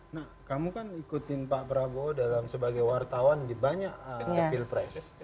nah kamu kan ikutin pak prabowo sebagai wartawan di banyak pilpres